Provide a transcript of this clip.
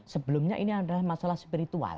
sebelumnya ini adalah masalah spiritual